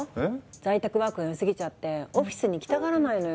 在宅ワークが良すぎちゃってオフィスに来たがらないのよ。